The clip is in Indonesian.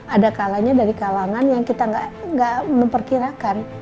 ada kalanya dari kalangan yang kita nggak memperkirakan